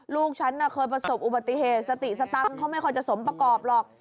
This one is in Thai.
ลูกฉันเคยประสบอุบัติเหตุสติสตังค์เขาไม่ค่อยจะสมประกอบหรอก